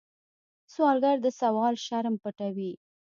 سوالګر د سوال شرم پټوي